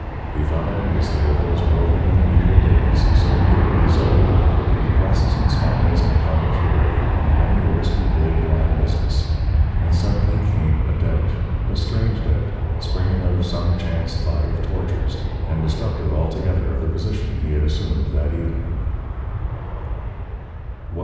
He thought enviously of those roving, mediaeval days, so near and so remote, of quests and spies and condottieri and many a risky blade drawing business. And suddenly came a doubt, a strange doubt, springing out of some chance thought of tortures, and destructive altogether of the position he had assumed that evening.